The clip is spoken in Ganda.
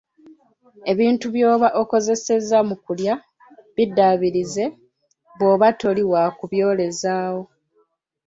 Ebintu by‘oba okozesezza mu kulya biddaabirize bw‘oba toli wa kuby‘olezaawo.